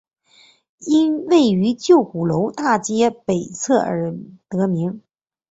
因位于旧鼓楼大街北侧而得名。